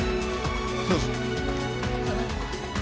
どうぞ。